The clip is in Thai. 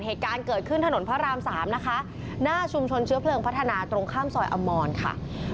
เหตุการณ์เกิดขึ้นถนนพระรามสามนะคะหน้าชุมชนเชื้อเพลิงพัฒนาตรงข้ามซอยอมรค่ะ